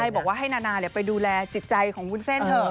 บอกว่าให้นานาไปดูแลจิตใจของวุ้นเส้นเถอะ